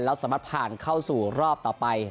แล้วสามารถผ่านเข้าสู่รอบต่อไป